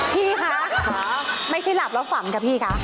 พี่คะไม่ใช่หลับแล้วฝันค่ะพี่คะ